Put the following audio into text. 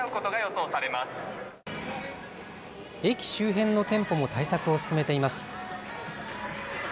駅周辺の店舗も対策を進めています。